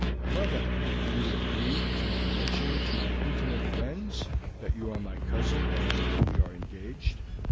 Well, then, you agree to my mentioning to my intimate friends that you are my cousin, and that we are engaged?"